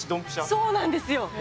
そうなんですよ。